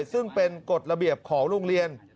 ซึ่งเป็นกฎระเบียบของโรงเรียน